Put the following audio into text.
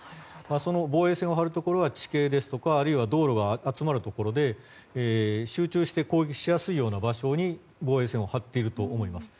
その防衛線を張るところは地形ですとかあるいは道路が集まるところで集中して攻撃しやすい場所に防衛線を張っていると思います。